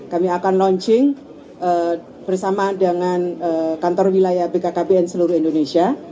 kami akan launching bersama dengan kantor wilayah bkkbn seluruh indonesia